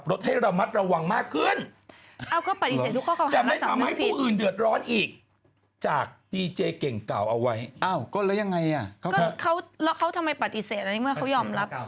และถ้าเธอจะให้ใครด่าเขาก็จะฟ้องไหม